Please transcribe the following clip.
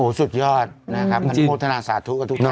โอ้โฮสุดยอดนะครับมันโฆษณาสาธุกับทุกคนด้วย